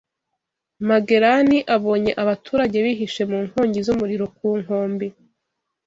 Magelani abonye abaturage bihishe mu nkongi z'umuriro ku nkombe